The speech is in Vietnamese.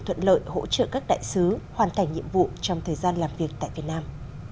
thuận lợi hỗ trợ các đại sứ hoàn thành nhiệm vụ trong thời gian làm việc tại việt nam